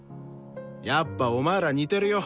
やっぱお前ら似てるよ。